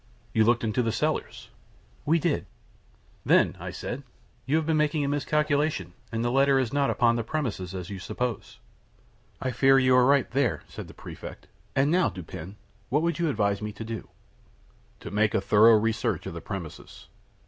"You looked into the cellars?" "We did." "Then," I said, "you have been making a miscalculation, and the letter is not upon the premises, as you suppose." "I fear you are right there," said the Prefect. "And now, Dupin, what would you advise me to do?" "To make a thorough research of the premises."